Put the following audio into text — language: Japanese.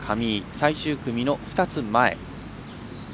最終組の２つ前。